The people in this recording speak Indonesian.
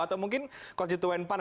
atau mungkin konstituen pan